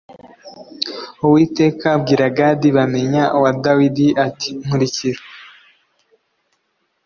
Uwiteka abwira Gadi bamenya wa Dawidi ati Nkurikira